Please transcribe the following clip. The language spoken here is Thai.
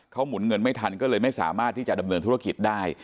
เขาหมุนเงินไม่ทันก็เลยไม่สามารถที่จะดำเนินธุรกิจได้